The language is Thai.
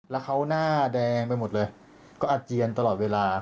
แล้วเขาหน้าแดงไปหมดเลยก็อาเจียนตลอดเวลา